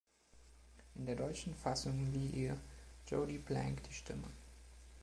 In der deutschen Fassung lieh ihr Jodie Blank die Stimme.